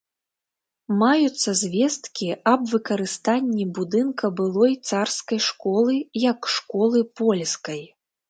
Маюцца звесткі аб выкарыстанні будынка былой царскай школы як школы польскай.